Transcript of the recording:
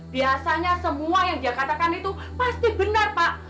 biasanya semua yang dia katakan itu pasti benar pak